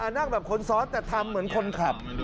นั่งแบบคนซ้อนแต่ทำเหมือนคนขับ